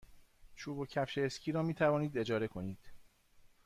چوب و کفش اسکی را می توانید اجاره کنید.